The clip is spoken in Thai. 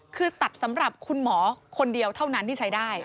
คือตัดสำหรับคุณหมอคนเดียวเท่านั้นที่ใช้ได้